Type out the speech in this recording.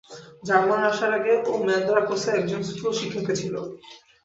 জার্মানরা আসার আগে, ও ম্যান্দ্রাকোসে একজন স্কুলশিক্ষিকা ছিল।